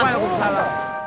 ayang ini tuh da